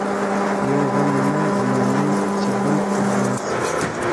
یو غم نه لا نه وي چي بل پر راسي